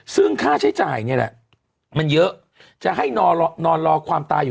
ซึ่งค่าใช้จ่ายนี่แหละมันเยอะจะให้นอนรอความตายอยู่